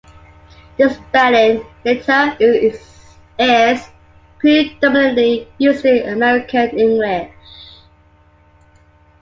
The spelling "liter" is predominantly used in American English.